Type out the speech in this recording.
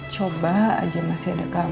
coba aja masih ada kamu